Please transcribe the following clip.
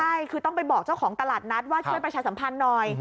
ใช่คือต้องไปบอกเจ้าของตลาดนัดว่าช่วยประชาสัมพันธ์หน่อย